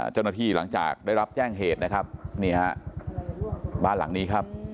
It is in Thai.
หลังจากได้รับแจ้งเหตุนะครับนี่ฮะบ้านหลังนี้ครับ